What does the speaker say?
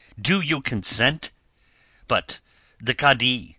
"Do you consent?" "But the kadi?"